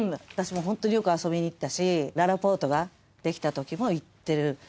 私もホントによく遊びに行ったしららぽーとができた時も行ってる。